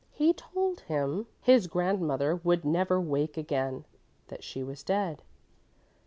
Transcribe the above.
He told him his grandmother would never wake again, that she was dead.